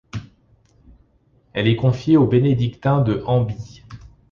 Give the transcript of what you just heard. Elle est confiée aux bénédictins de Hambye.